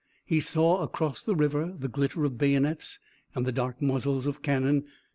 He saw across the river the glitter of bayonets and the dark muzzles of cannon.